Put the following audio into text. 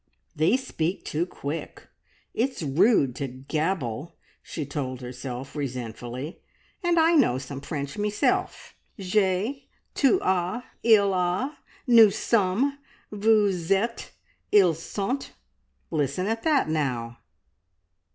"They speak too quick. It's rude to gabble!" she told herself resentfully. "And I know some French meself. `_J'ai, tu as, il a, nous sommes, vous etes, ils sont_.' Listen at that, now!"